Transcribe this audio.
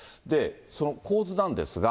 その構図なんですが。